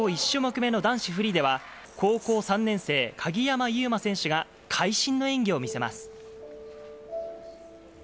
１種目目の男子フリーでは、高校３年生、鍵山優真選手が会心の演技を見せます。